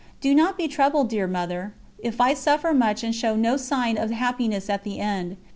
Do not be troubled, dear Mother, if I suffer much and show no sign of happiness at the end.